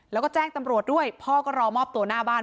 แล้วก็แจ้งตำรวจด้วยพ่อก็รอมอบตัวหน้าบ้าน